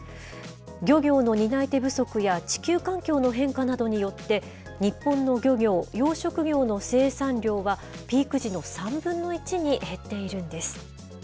漁業の担い手不足や地球環境の変化などによって、日本の漁業・養殖業の生産量はピーク時の３分の１に減っているんです。